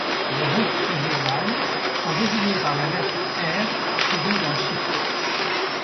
Les routes régionales sont désignées par la lettre R suivie d'un chiffre.